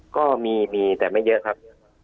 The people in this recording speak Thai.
ก็มีมีแต่ไม่เยอะครับ